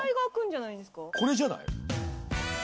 これじゃない？